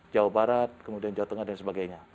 jawa barat kemudian jawa tengah dan sebagainya